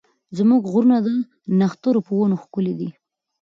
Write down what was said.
زموږ غرونه د نښترو په ونو ښکلي دي.